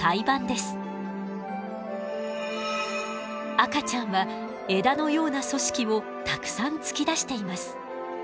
赤ちゃんは枝のような組織をたくさん突き出しています。